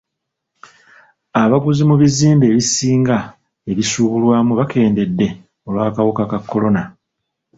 Abaguzi mu bizimbe ebisinga ebisuubulwamu bakendedde olw'akawuka ka kolona.